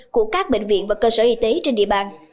của các bệnh viện và cơ sở y tế trên địa bàn